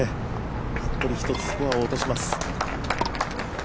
服部、１つスコアを落とします。